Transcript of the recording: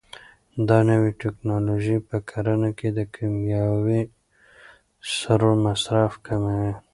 دا نوې ټیکنالوژي په کرنه کې د کیمیاوي سرو مصرف کموي.